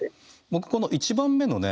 僕この１番目のね